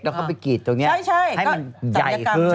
แล้วก็ไปกรีดตรงนี้ให้มันใหญ่ขึ้น